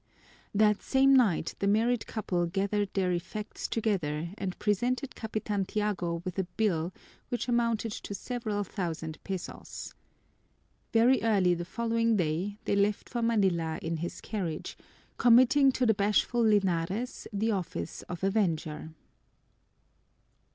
That same night the married couple gathered their effects together and presented Capitan Tiago with a bill which amounted to several thousand pesos. Very early the following day they left for Manila in his carriage, committing to the bashful Linares the office of avenger.